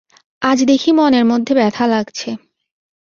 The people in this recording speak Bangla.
আজ দেখি মনের মধ্যে ব্যথা লাগছে।